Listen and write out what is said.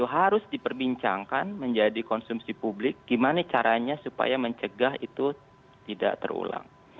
harus diperbincangkan menjadi konsumsi publik gimana caranya supaya mencegah itu tidak terulang